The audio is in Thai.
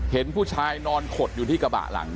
เห็นผู้ชายนอนขดอยู่ที่กระบะหลัง